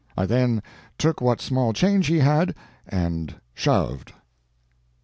I then took what small change he had, and "shoved."